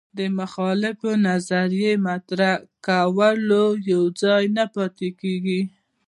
د مخالفې نظریې مطرح کولو ځای نه پاتې